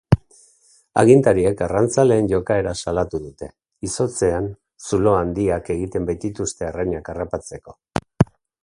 Agintariek arrantzaleen jokaera salatu dute, izotzean zulo handiak egiten baitituzte arrainak harrapatzeko.